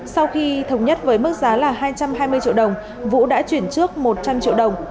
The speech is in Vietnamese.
sau khi thống nhất với mức giá là hai trăm hai mươi triệu đồng vũ đã chuyển trước một trăm linh triệu đồng